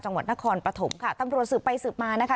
จังหวัดนครปฐมค่ะตำรวจสืบไปสืบมานะคะ